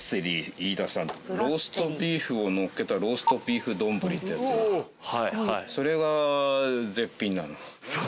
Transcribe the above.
ローストビーフをのっけたローストビーフ丼ってやつがそれが絶品。